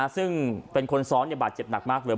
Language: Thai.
ซึ่งเป็นคนซ้อนบาดเจ็บหนักมากเลย